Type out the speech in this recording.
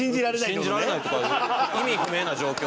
信じられないとか意味不明な状況で。